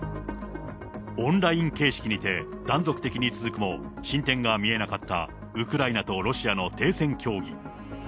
オンライン形式にて、断続的に続くも、進展が見えなかったウクライナとロシアの停戦協議。